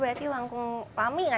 tidak tidak bisa